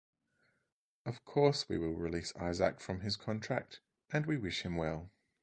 Of course we will release Isaac from his contract and we wish him well.